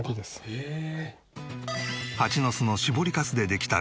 「へえ！」